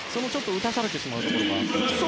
打たされてしまうところがあると？